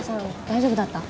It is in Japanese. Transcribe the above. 大丈夫だった？